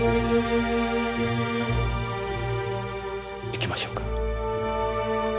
行きましょうか。